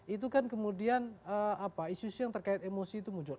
itu kan kemudian isu isu yang terkait emosi itu muncul